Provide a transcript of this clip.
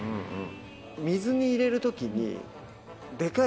水に入れる時に。